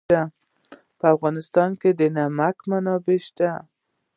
په افغانستان کې د نمک منابع شته.